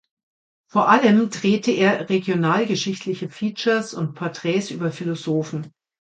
Vor allem drehte er regionalgeschichtliche Features und Porträts über Philosophen.